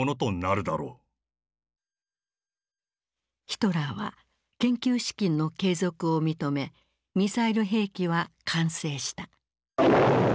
ヒトラーは研究資金の継続を認めミサイル兵器は完成した。